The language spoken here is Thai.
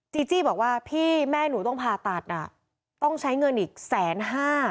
จีจี้บอกว่าพี่แม่หนูต้องผ่าตัดอ่ะต้องใช้เงินอีกแสนห้า